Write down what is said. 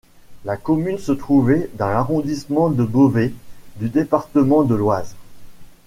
La commune se trouvait dans l'arrondissement de Beauvais du département de l'Oise.